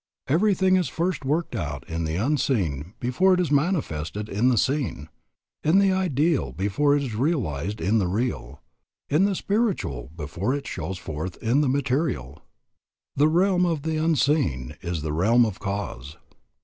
Everything is first worked out in the unseen before it is manifested in the seen, in the ideal before it is realized in the real, in the spiritual before it shows forth in the material. The realm of the unseen is the realm of cause.